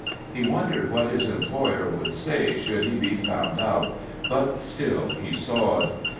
He wondered what his employer would say should he be found out, but still he sawed.